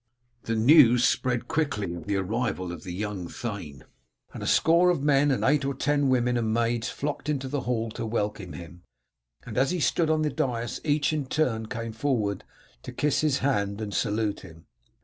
The news quickly spread of the arrival of the young thane, and a score of men and eight or ten women and maids flocked into the hall to welcome him, and as he stood on the dais each in turn came forward to kiss his hand and salute him.